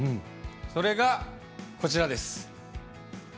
それが、こちらです。